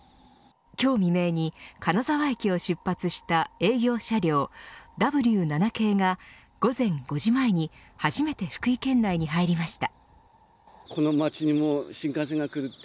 今日未明に金沢駅を出発した営業車両Ｗ７系が午前５時前に初めて福井県内に入りました。